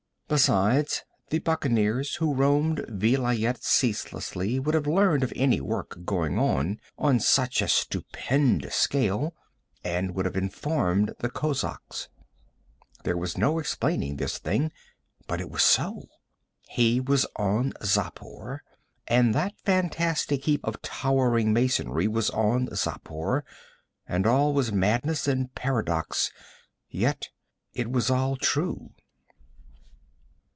Besides, the buccaneers who roamed Vilayet ceaselessly would have learned of any work going on on such a stupendous scale, and would have informed the kozaks. There was no explaining this thing, but it was so. He was on Xapur and that fantastic heap of towering masonry was on Xapur, and all was madness and paradox; yet it was all true.